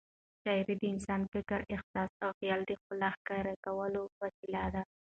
شاعري د انساني فکر، احساس او خیال د ښکلا ښکاره کولو وسیله ده.